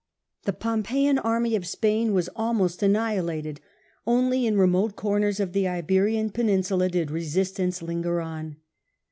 The Pompeian army of Spain was almost annihilated: only in remote corners of the Iberian peninsula did resistance linger on.